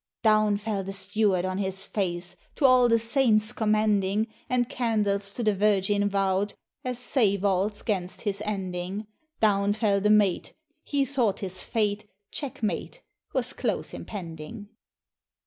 Down fell the steward on his face, To all the Saints commending; And candles to the Virgin vow'd, As save alls 'gain'st his ending. Down fell the mate, he thought his fate, Checkmate, was close impending!